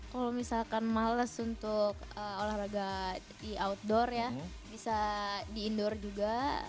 kalau misalkan males untuk olahraga di outdoor ya bisa di indoor juga